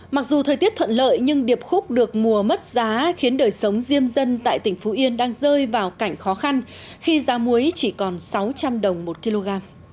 mặc dù thời tiết thuận lợi nhưng điệp khúc được mùa mất giá khiến đời sống diêm dân tại tỉnh phú yên đang rơi vào cảnh khó khăn khi giá muối chỉ còn sáu trăm linh đồng một kg